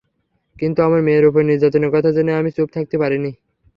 কিন্তু আমার মেয়ের ওপর নির্যাতনের কথা জেনে আমি চুপ থাকতে পারিনি।